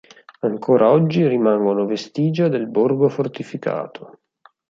Ancora oggi rimangono vestigia del borgo fortificato.